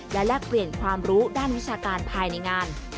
และแลกเปลี่ยนความรู้ด้านวิชาการภายในงาน